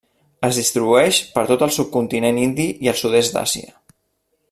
Es distribueix per tot el subcontinent indi i el sud-est d'Àsia.